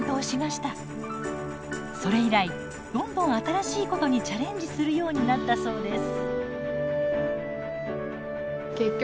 それ以来どんどん新しいことにチャレンジするようになったそうです。